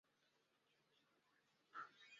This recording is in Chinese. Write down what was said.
邢岫烟来大观园时也住于此。